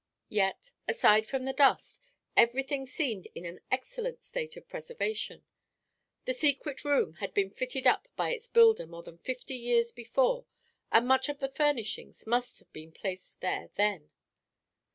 Yet, aside from the dust, everything seemed in an excellent state of preservation. The secret room had been fitted up by its builder more than fifty years before and much of the furnishings must have been placed there then.